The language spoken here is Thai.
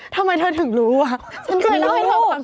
ทำไมเธอถึงรู้ว่ะฉันเคยรู้